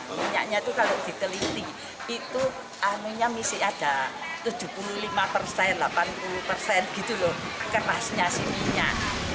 minyaknya itu kalau diteliti itu anunya masih ada tujuh puluh lima persen delapan puluh persen gitu loh kerasnya si minyak